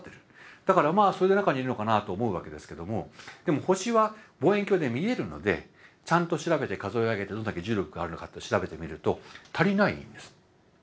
だからまあそれで中にいるのかなと思うわけですけどもでも星は望遠鏡で見えるのでちゃんと調べて数え上げてどんだけ重力があるのかって調べてみると足りないんです。